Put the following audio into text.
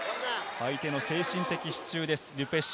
相手の精神的支柱です、ル・ペシュ。